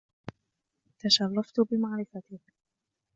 تشرفت بمعرفتك!